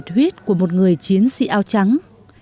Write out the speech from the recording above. nhiệt huyết của một người chiến sĩ áo trắng